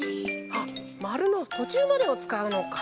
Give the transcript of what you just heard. あっまるのとちゅうまでをつかうのか。